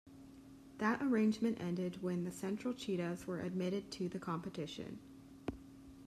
That arrangement ended when the Central Cheetahs were admitted to the competition.